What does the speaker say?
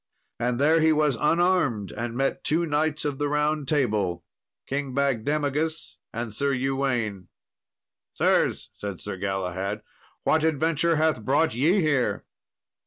And there he was unarmed, and met two knights of the Round Table, King Bagdemagus, and Sir Uwaine. "Sirs," said Sir Galahad, "what adventure hath brought ye here?"